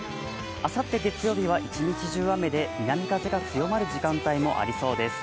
あさって月曜日は一日中雨で、南風が強まる時間帯も多そうです。